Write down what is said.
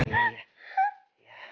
stifer oleh ya